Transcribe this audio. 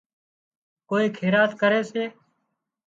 ڪوئي خيرات ڪري سي